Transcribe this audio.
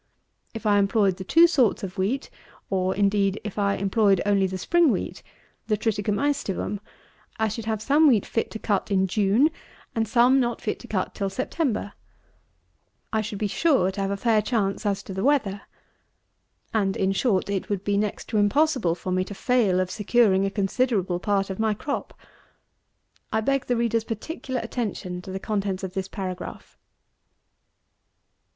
If I employed the two sorts of wheat, or indeed if I employed only the spring wheat, the TRITICUM ÆSTIVUM, I should have some wheat fit to cut in June, and some not fit to cut till September. I should be sure to have a fair chance as to the weather. And, in short, it would be next to impossible for me to fail of securing a considerable part of my crop. I beg the reader's particular attention to the contents of this paragraph.